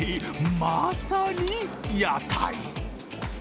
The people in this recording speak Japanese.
まさに屋台！